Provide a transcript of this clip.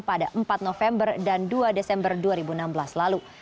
pada empat november dan dua desember dua ribu enam belas lalu